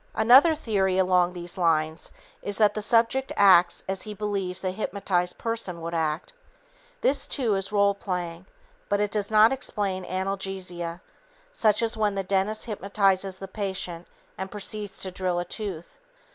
Another theory along these lines is that the subject acts as he believes a hypnotized person would act. This, too, is role playing, but it does not explain analgesia, such as when the dentist hypnotizes the patient and proceeds to drill a tooth.